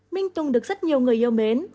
minh tùng được rất nhiều người yêu mến